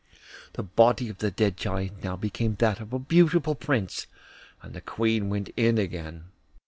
The body of the dead Giant now became that of a beautiful prince, and the Queen went in again.